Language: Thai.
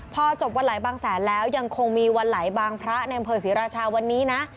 พอจบวันไหลบางแสนแล้วยังคงมีวันไหลบางพระในอำเภอศรีราชาวันนี้นะ